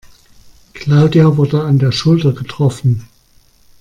Claudia wurde an der Schulter getroffen.